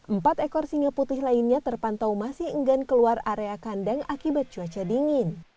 empat ekor singa putih lainnya terpantau masih enggan keluar area kandang akibat cuaca dingin